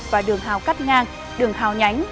và đường hào cắt ngang đường hào nhánh